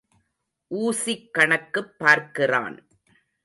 Vucic கணக்குப் பார்க்கிறான்.